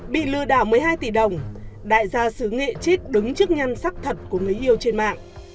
bị lừa đảo một mươi hai tỷ đồng đại gia sứ nghệ chết đứng trước nhân sắc thật của người yêu trên mạng